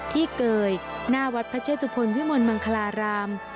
เกยหน้าวัดพระเชตุพลวิมลมังคลาราม